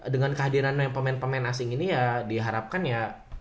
dengan kehadiran pemain pemain asing ini ya diharapkan ya